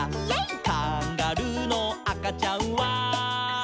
「カンガルーのあかちゃんは」